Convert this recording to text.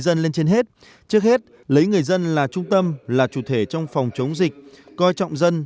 dân lên trên hết trước hết lấy người dân là trung tâm là chủ thể trong phòng chống dịch coi trọng dân